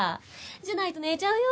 じゃないと寝ちゃうよ？